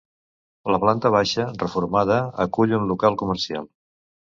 La planta baixa, reformada, acull un local comercial.